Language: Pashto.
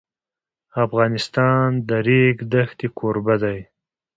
افغانستان د د ریګ دښتې کوربه دی.